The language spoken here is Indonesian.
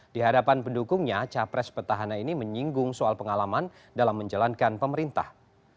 di hadapan pendukungnya capres petahana ini menyinggung soal pengalaman dalam menjalankan pemerintah